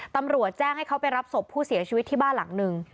ตำรวจแจ้งให้เขาไปรับศพผู้เสียชีวิตที่บ้านหลังหนึ่ง